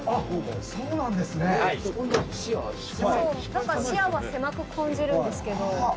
何か視野は狭く感じるんですけど。